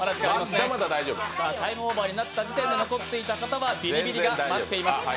タイムオーバーになった時点で残っていた方にはビリビリが待っています。